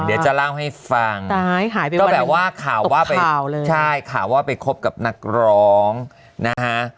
หายไปวันนึงตกข่าวเลยใช่ข่าวว่าไปคบกับนักร้องนะฮะ